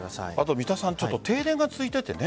三田さん、停電が続いていてね。